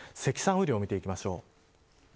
雨量を見ていきましょう。